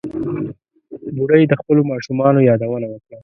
بوډۍ د خپلو ماشومانو یادونه وکړه.